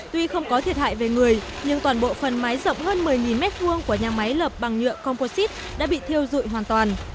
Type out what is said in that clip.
tuy không có thiệt hại về người nhưng toàn bộ phần mái rộng hơn một mươi m hai của nhà máy lợp bằng nhựa composite đã bị thiêu dụi hoàn toàn